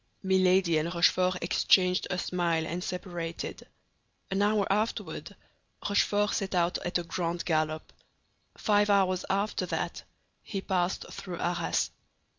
Milady and Rochefort exchanged a smile and separated. An hour afterward Rochefort set out at a grand gallop; five hours after that he passed through Arras.